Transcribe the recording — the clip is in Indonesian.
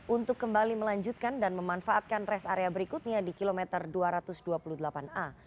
untuk kembali melanjutkan dan memanfaatkan rest area berikutnya di kilometer dua ratus dua puluh delapan a